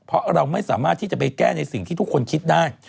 เพราะเราไม่สามารถที่จะไปแก้ในสิ่งที่ทุกคนคิดได้